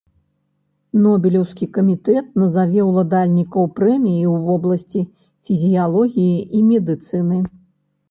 Нобелеўскі камітэт назаве ўладальнікаў прэміі ў вобласці фізіялогіі і медыцыны.